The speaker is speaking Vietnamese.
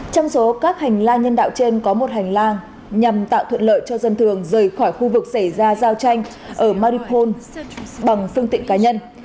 trong số các hành lang nhân đạo trên có một hành lang nhằm tạo thuận lợi cho dân thường rời khỏi khu vực xảy ra giao tranh ở mariphone bằng phương tiện cá nhân